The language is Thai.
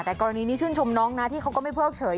แต่กรณีนี้ชื่นชมน้องแม่งที่ไม่เผื้อกเฉย